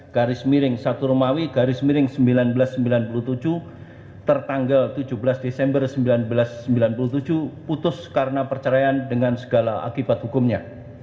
garis miring satu romawi garis miring seribu sembilan ratus sembilan puluh tujuh tertanggal tujuh belas desember seribu sembilan ratus sembilan puluh tujuh putus karena perceraian dengan segala akibat hukumnya